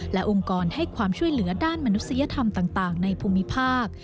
และองค์กรให้ความช่วยเหลือด้านมนุษยธรรมต่างในภูมิภาค